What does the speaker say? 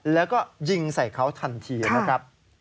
แล้วก็ยิงใส่เขาทันทีนะครับ